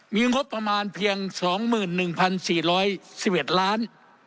มีงบประมาณเพียง๒๑๔๑๑ล้าน